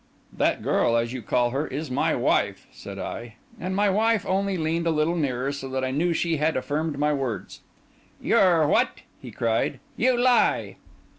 "That girl, as you call her, is my wife," said I; and my wife only leaned a little nearer, so that I knew she had affirmed my words. "Your what?" he cried. "You lie!"